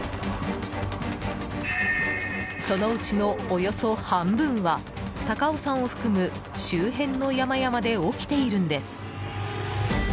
そのうちのおよそ半分は高尾山を含む周辺の山々で起きているんです。